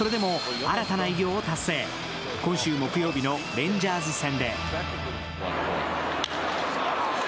今週木曜日のレンジャーズ戦で。